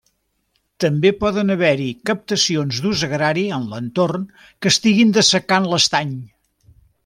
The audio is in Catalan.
També poden haver-hi captacions d'ús agrari en l'entorn, que estiguin dessecant l'estany.